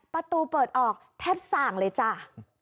ประตูเปิดออกแทบส่างเลยจ้า